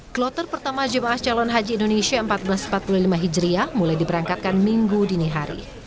kloter pertama jemaah calon haji indonesia seribu empat ratus empat puluh lima hijriah mulai diberangkatkan minggu dini hari